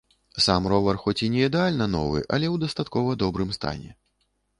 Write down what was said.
Сам ровар хоць і не ідэальна новы, але ў дастаткова добрым стане.